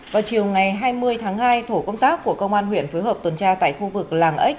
vào chiều ngày hai mươi tháng hai thổ công tác của công an huyện phối hợp tuần tra tại khu vực làng ếch